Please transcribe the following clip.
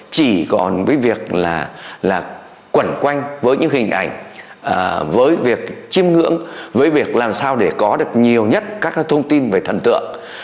chỉ còn với việc là quẩn quanh với những hình ảnh với việc chiêm ngưỡng với việc làm sao để có được nhiều nhất các thông tin về thần tượng